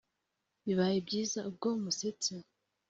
bibaye byiza ubwo musetse!!